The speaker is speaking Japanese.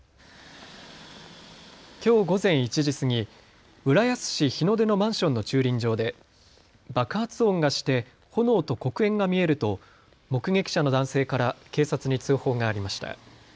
きょう午前１時過ぎ、浦安市日の出のマンションの駐輪場で爆発音がして炎と黒煙が見えると目撃者の男性から警察に通報がありました。